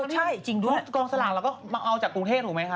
ที่ตรงกรรมสลางเราก็มาเอาจากกรุงเทศถูกมั้ยคะ